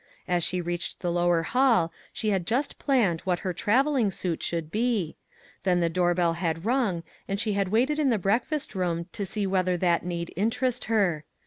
As she reached the lower hall, she had just planned what her traveling suit should be; then the doorbell had rung and she had waited in the breakfast room to see whether that need interest her.